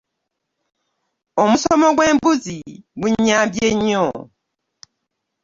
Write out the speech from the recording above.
Omusomo gwe mbuzi gunyambye nnyo.